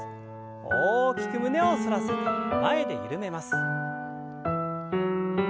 大きく胸を反らせて前で緩めます。